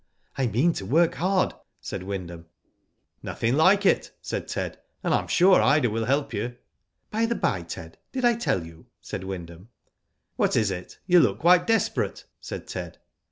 "I mean to work hard," said Wyndham. " Nothing like it," said Ted ;" and I am sure Ida will help you." "By the bye, Ted, did I tell you?" said Wyn ham. "What IS it? You look quite desperate?" said Ted.